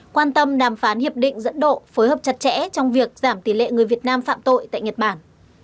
quan tâm đàm phán hiệp định dẫn độ phối hợp chặt chẽ trong việc giảm tỷ lệ người việt nam phạm tội tại nhật bản